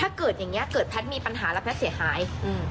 ถ้าเกิดอย่างเงี้ยเกิดแพทย์มีปัญหาแล้วแพทย์เสียหายอืม